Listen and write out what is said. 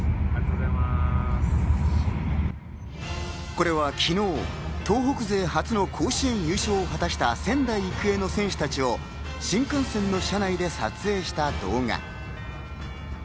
これは昨日、東北勢初の甲子園優勝を果たした仙台育英の選手たちは、新幹線の車内で撮影した動画。